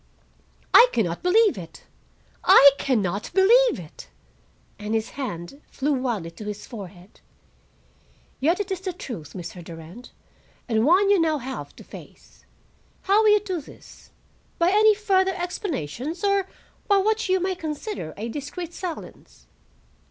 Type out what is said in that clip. "I can not believe it. I can not believe it." And his hand flew wildly to his forehead. "Yet it is the truth, Mr. Durand, and one you have now to face. How will you do this? By any further explanations, or by what you may consider a discreet silence?"